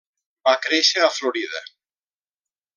Va créixer a Florida.